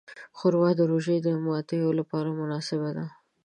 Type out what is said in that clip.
ښوروا د روژې د ماتیو لپاره مناسبه ده.